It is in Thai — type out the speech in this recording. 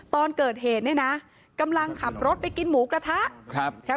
ตอนเกิดเหตุเนี่ยนะกำลังขับรถไปกินหมูกระทะ